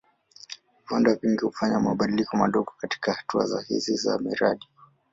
Viwanda vingi hufanya mabadiliko madogo katika hatua hizi za mradi.